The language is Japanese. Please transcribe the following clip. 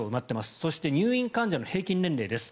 そして入院患者の平均年齢です。